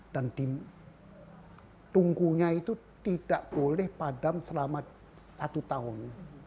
dan tunggunya itu tidak boleh padam selama satu tahun